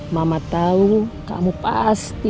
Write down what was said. mama tahu kamu pasti